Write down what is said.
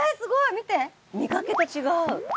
見かけと違う。